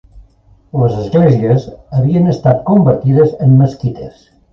Les esglésies havien estat convertides en mesquites.